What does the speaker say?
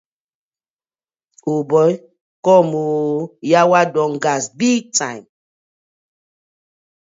Old boy com ooo!!! Yawa don gas big time.